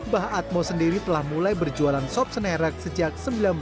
bah atmo sendiri telah mulai berjualan sob senerak sejak seribu sembilan ratus lima puluh tujuh